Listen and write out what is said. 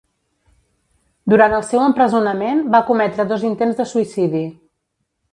Durant el seu empresonament va cometre dos intents de suïcidi.